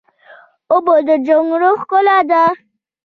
اوبه د جونګړو ښکلا ده.